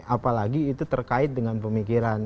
apalagi itu terkait dengan pemikiran